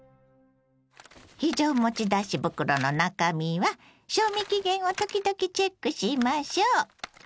非常持ち出し袋の中身は賞味期限を時々チェックしましょう。